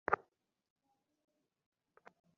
এতো লজ্জা পাচ্ছ কেন।